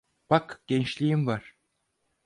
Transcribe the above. Bak gençliğin var.